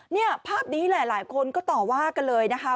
เนี่ยภาพนี้หลายคนก็ต่อว่ากันเลยนะคะ